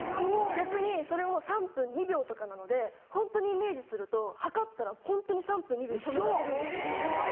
逆にそれ３分２秒とかなのでホントにイメージすると計ったらホントに３分２秒で止められるんです。